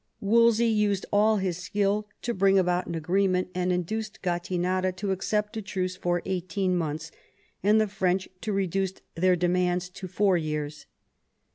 Wolsey used all his skill to bring about an agreement, and induced Gattinara to accept a truce for eighteen months, and the French to reduce their demands to four years.